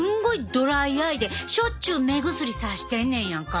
ドライアイでしょっちゅう目薬さしてんねんやんか。